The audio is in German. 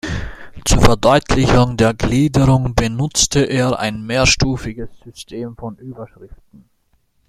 Zur Verdeutlichung der Gliederung benutzte er ein mehrstufiges System von Überschriften.